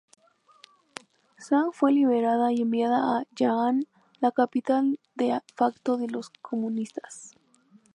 Zhang fue liberada y enviada a Yan'an, la capital de facto de los comunistas.